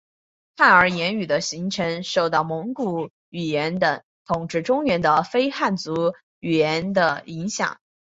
汉儿言语的形成受到了蒙古语族等统治中原的非汉民族的语言的影响。